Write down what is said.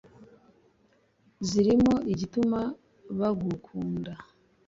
zirimo izituma bagukunda